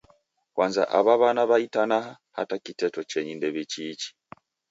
Kwanza aw'a wana wa itanaha hata kiteto cheni ndew'ichiichi.